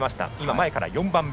前から４番目。